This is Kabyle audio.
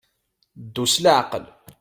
Ddu s leɛqel.